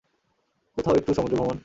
কোথাও একটু সমুদ্রভ্রমন।